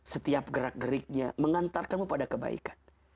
setiap gerak geriknya mengantarkanmu pada kebaikan